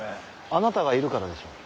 あなたがいるからでしょう。